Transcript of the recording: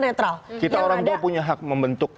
netral kita orang tua punya hak membentuk